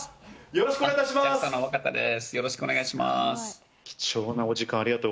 よろしくお願いします。